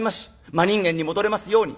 真人間に戻れますように。